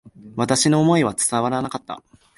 私の思いは伝わらなかった。